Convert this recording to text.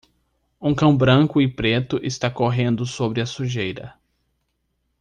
Um cão branco e preto está correndo sobre a sujeira.